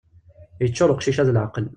Yeččur uqcic-a d leɛqel.